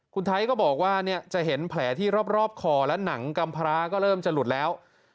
คุณไทยก็บอกว่าจะเห็นแผลที่รอบคอและหนังกำพร้าก็เริ่มจะหลุดแล้ว